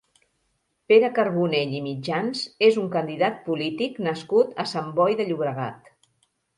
Pere Carbonell i Mitjans és un candidat polític nascut a Sant Boi de Llobregat.